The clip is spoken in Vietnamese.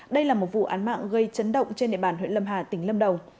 đây là một vụ án mạng gây chấn động trên địa bàn huyện lâm hà tỉnh lâm đồng